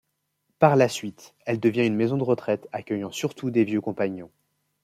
Par la suite, elle devient une maison de retraite accueillant surtout des vieux compagnons.